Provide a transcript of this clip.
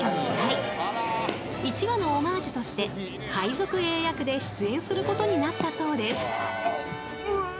［１話のオマージュとして海賊Ａ役で出演することになったそうです］